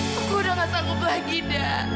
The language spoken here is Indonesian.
aku udah gak sanggup lagi da